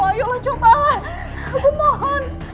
ayolah cobalah aku mohon